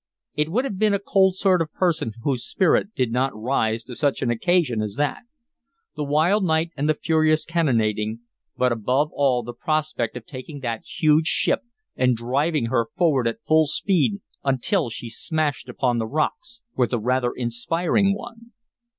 It would have been a cold sort of a person whose spirit did not rise to such an occasion as that. The wild night and the furious cannonading, but above all the prospect of taking that huge ship and driving her forward at full speed until she smashed upon the rocks, was a rather inspiring one.